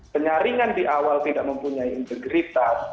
penyaringan di awal tidak mempunyai integritas